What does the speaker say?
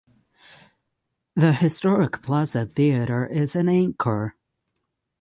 The historic Plaza Theatre is an anchor.